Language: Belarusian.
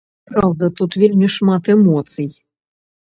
Праўда, тут вельмі шмат эмоцый.